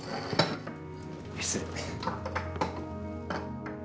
失礼。